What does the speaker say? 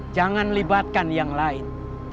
jangan libatkan yang lain